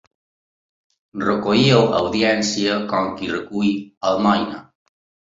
Recollíeu audiència com qui recull almoina.